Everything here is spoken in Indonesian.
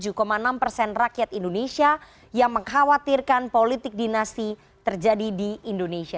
jadi ada empat puluh enam enam persen rakyat indonesia yang mengkhawatirkan politik dinasti terjadi di indonesia